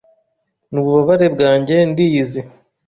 Ni ububabare bwanjye ndiyizi